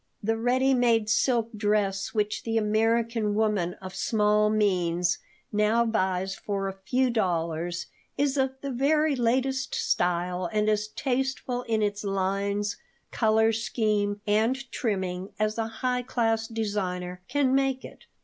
The ready made silk dress which the American woman of small means now buys for a few dollars is of the very latest style and as tasteful in its lines, color scheme, and trimming as a high class designer can make it.